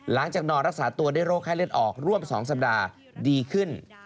นอนรักษาตัวด้วยโรคไข้เลือดออกร่วม๒สัปดาห์ดีขึ้น